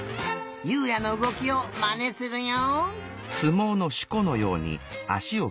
優海也のうごきをまねするよ。